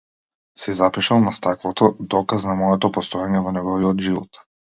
Си запишал на стаклото, доказ за моето постоење во неговиот живот.